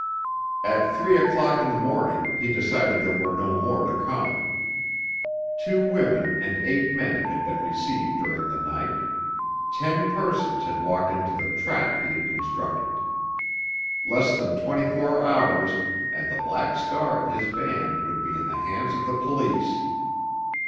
At three o'clock in the morning he decided there were no more to come. Two women and eight men had been received during the night—ten persons had walked into the trap he had constructed. Less than twenty four hours, and the Black Star and his band would be in the hands of the police.